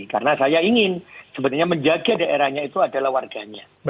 karena saya ingin sebenarnya menjaga daerahnya itu adalah warganya